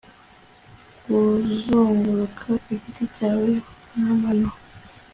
kuzunguruka kugiti cyawe nkamano